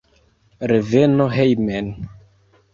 Reveno hejmen.